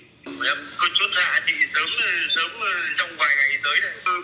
em có chút giá thì sớm trong vài ngày tới rồi